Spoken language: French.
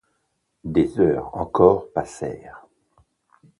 Des heures encore passèrent.